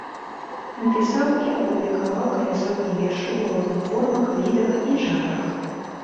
Напісаў і апублікаваў каля сотні вершаў у розных формах, відах і жанрах.